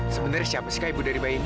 sebenarnya siapa sih kak ibu dari bayi ini